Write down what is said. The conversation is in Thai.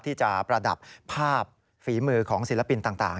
ประดับภาพฝีมือของศิลปินต่าง